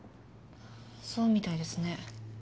そうみたいですね。